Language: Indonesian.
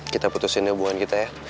kita putusin hubungan kita ya